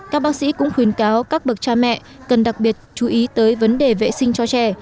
các bác sĩ cũng khuyến cáo các bậc cha mẹ cần đặc biệt chú ý tới vấn đề vệ sinh cho trẻ